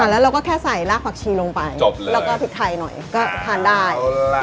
แล้วเราก็แค่ใส่รากผักชีลงไปแล้วก็พริกไทยหน่อยก็ทานได้